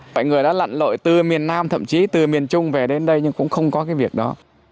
mọi người đã lặn lội từ miền nam thậm chí từ miền trung về đến đây nhưng cũng không có cái việc đó